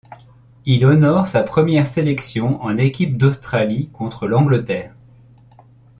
Il honore sa première sélection en équipe d'Australie le contre l'Angleterre.